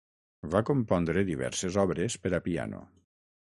Va compondre diverses obres per a piano.